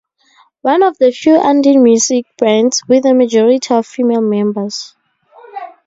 One of the few Andean music bands with a majority of female members.